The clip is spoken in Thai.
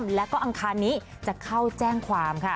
เพราะว่าอังคารนี้จะเข้าแจ้งความค่ะ